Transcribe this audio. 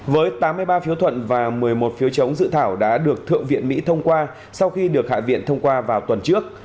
với tám mươi ba phiếu thuận và một mươi một phiếu chống dự thảo đã được thượng viện mỹ thông qua sau khi được hạ viện thông qua vào tuần trước